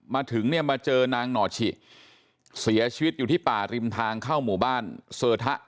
มาถึงเนี่ยมาเจอนางหน่อฉิเสียชีวิตอยู่ที่ป่าริมทางเข้าหมู่บ้านเซอร์ทะ